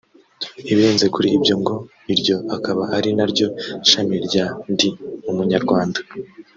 ibirenze kuri ibyo ngo iryo akaba ari naryo shami rya NdiUmunyarwanda